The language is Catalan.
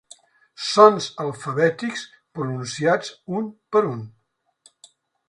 Sons alfabètics pronunciats un per un.